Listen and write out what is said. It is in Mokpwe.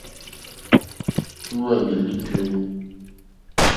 Lúwɛ̀ndì lítúnì.